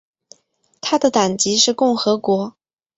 他的党籍是共和党。